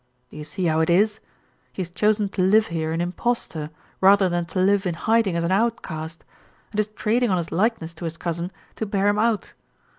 Do you see how it is? He has chosen to live here an impostor rather than to live in hiding as an outcast, and is trading on his likeness to his cousin to bear him out.